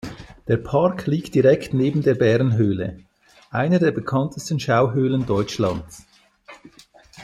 Der Park liegt direkt neben der Bärenhöhle, einer der bekanntesten Schauhöhlen Deutschlands.